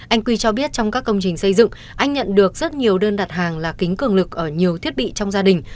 anh quy cho biết trong các công trình xây dựng anh nhận được rất nhiều đơn đặt hàng là kính cường lực ở nhiều thiết bị trong gia đình